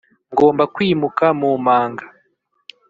ngomba kwimuka mu manga.